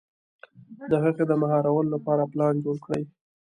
د هغې د مهارولو لپاره پلان جوړ کړي.